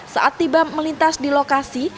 saat tiba melintas di lokasi